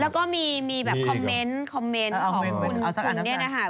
แล้วก็มีคอมเมนต์คอมเมนต์ของคุณนี่นะฮะ